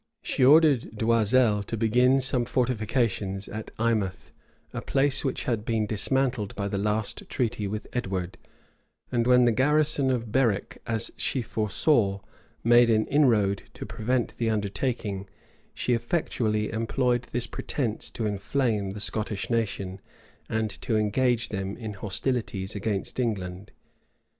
She ordered D'Oisel to begin some fortifications at Eyemouth, a place which had been dismantled by the last treaty with Edward; and when the garrison of Berwick, as she foresaw, made an inroad to prevent the undertaking, she effectually employed this pretence to inflame the Scottish nation, and to engage them in hostilities against England.